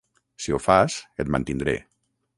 Si ho fas, et mantindré.